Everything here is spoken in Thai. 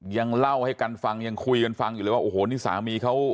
ยังเล่าให้กันฟังยังคุยกันฟังอยู่เลยว่าโอ้โหนี่สามีเขา